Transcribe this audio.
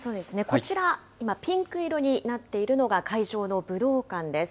こちら、今、ピンク色になっているのが、会場の武道館です。